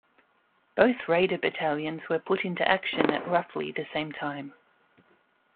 Both Raider battalions were put into action at roughly the same time.